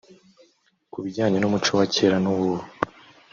Ku bijyanye n’umuco wa kera n’uw’ubu